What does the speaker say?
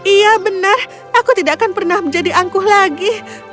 iya benar aku tidak akan pernah menjadi angkuh lagi